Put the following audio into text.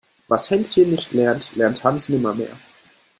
Was Hänschen nicht lernt, lernt Hans nimmer mehr.